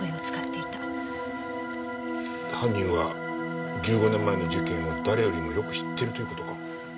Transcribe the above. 犯人は１５年前の事件を誰よりもよく知ってるという事か。